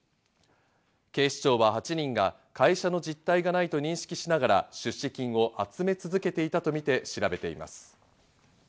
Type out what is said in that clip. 警視庁は８人が会社の実態がないと認識しながら出資金を集め続けていたとみて調べています。